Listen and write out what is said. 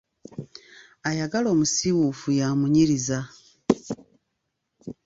Ayagala omusiiwuufu, yamunyiriza.